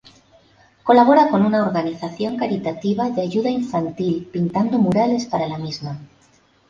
Colabora con una organización caritativa de ayuda infantil pintando murales para la misma.